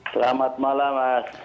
selamat malam mas